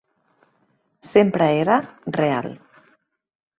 Sempre era "real".